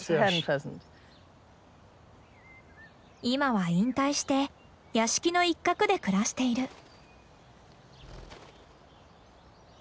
今は引退して屋敷の一画で暮らしている。